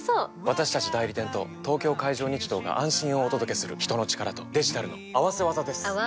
私たち代理店と東京海上日動が安心をお届けする人の力とデジタルの合わせ技です！